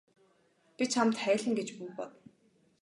Би чамд хайлна гэж бүү бод.